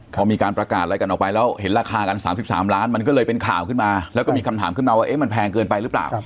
พอมีการประกาศอะไรกันออกไปแล้วเห็นราคากัน๓๓ล้านมันก็เลยเป็นข่าวขึ้นมาแล้วก็มีคำถามขึ้นมาว่ามันแพงเกินไปหรือเปล่า